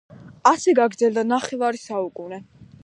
ასე გაგრძელდა ნახევარი საუკუნე.